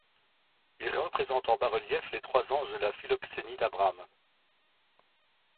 Il représente en bas-relief les trois anges de la philoxénie d'Abraham.